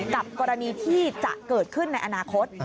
กับกรณีที่จะเกิดขึ้นในอนาคต